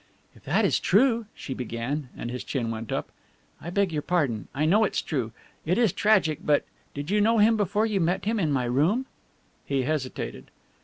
"If that is true " she began, and his chin went up. "I beg your pardon, I know it is true. It is tragic, but did you know him before you met him in my room?" He hesitated.